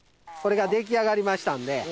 これが出来上がりましたんで。